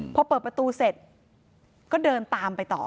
พอเปิดประตูเสร็จก็เดินตามไปต่อ